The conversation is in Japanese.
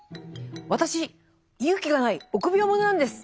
私勇気がない臆病者なんです。